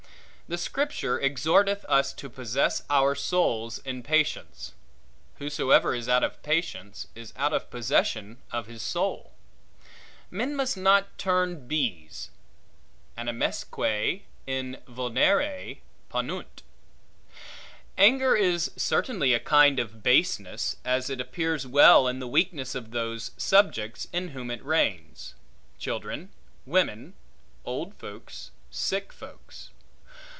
The Scripture exhorteth us to possess our souls in patience. Whosoever is out of patience, is out of possession of his soul. Men must not turn bees; ... animasque in vulnere ponunt. Anger is certainly a kind of baseness; as it appears well in the weakness of those subjects in whom it reigns; children, women, old folks, sick folks.